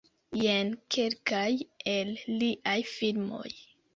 Jen kelkaj el liaj filmoj.